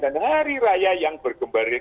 dan hari raya yang bergembirajas